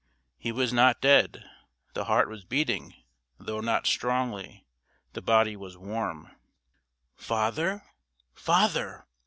He was not dead. The heart was beating, though not strongly; the body was warm. "Father, father."